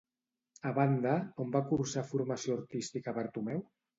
A banda, on va cursar formació artística Bartomeu?